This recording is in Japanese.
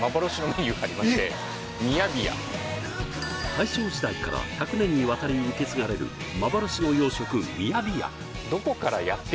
大正時代から１００年にわたり受け継がれる幻の洋食ミヤビヤ